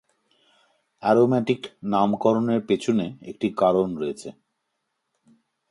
Aromatic নামকরনের পেছনে একটি কারণ রয়েছে।